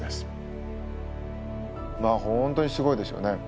まあ本当にすごいですよね。